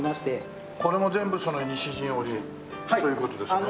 これも全部その西陣織という事ですよね？